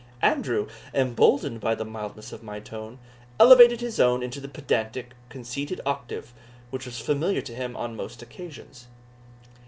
Andrew, emboldened by the mildness of my tone, elevated his own into the pedantic, conceited octave, which was familiar to him on most occasions.